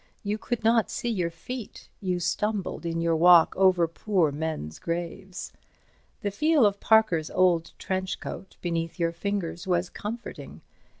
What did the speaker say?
You could not see your feet. You stumbled in your walk over poor men's graves. The feel of Parker's old trench coat beneath your fingers was comforting.